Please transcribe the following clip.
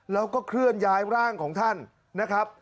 แล้วก็เคลื่อนย้ายร่างของท่านนะครับ